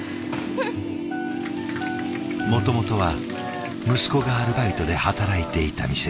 もともとは息子がアルバイトで働いていた店。